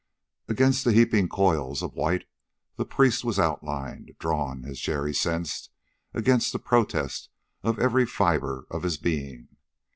Against the heaping coils of white the priest was outlined, drawn, as Jerry sensed, against the protest of every fiber of his being.